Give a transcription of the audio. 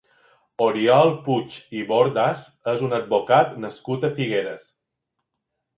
Oriol Puig i Bordas és un advocat nascut a Figueres.